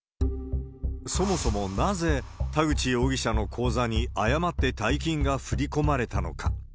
そもそも、なぜ田口容疑者の口座に誤って大金が振り込まれたのか。